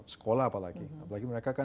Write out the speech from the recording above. sekolah apalagi apalagi mereka kan